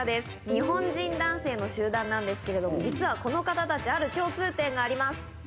日本人男性の集団なんですけれども、実はこの方たち、ある共通点があります。